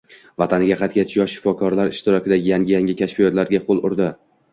Vataniga qaytgach, yosh shifokorlar ishtirokida yangi-yangi kashfiyotlarga qo‘l urdi